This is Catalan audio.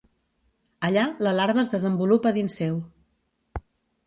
Allà la larva es desenvolupa dins seu.